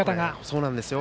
そうなんですよ。